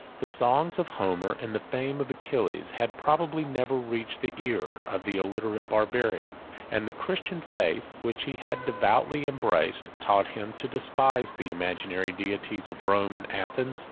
The songs of Homer, and the fame of Achilles, had probably never reached the ear of the illiterate Barbarian; and the Christian faith, which he had devoutly embraced, taught him to despise the imaginary deities of Rome and Athens.